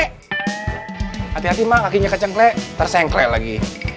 hati hati ma kakinya kecengkle tersengkle lagi